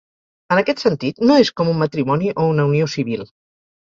En aquest sentit, no és com un matrimoni o una unió civil.